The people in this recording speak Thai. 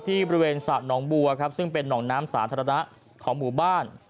ที่บริเวณสระหนองบัวครับซึ่งเป็นหนองน้ำสาธารณะของหมู่บ้าน